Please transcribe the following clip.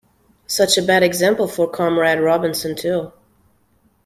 Such a bad example for Comrade Robinson, too.